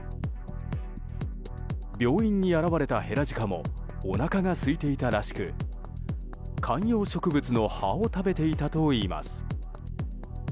病院に現れたヘラジカもおなかがすいていたらしく観葉植物の葉を食べていたといいます。